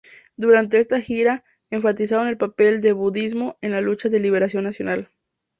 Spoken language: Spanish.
Durante esta gira, enfatizaron el papel del budismo en la lucha de liberación nacional.